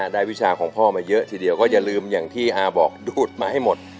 วิชาของพ่อมาเยอะทีเดียวก็อย่าลืมอย่างที่อาบอกดูดมาให้หมด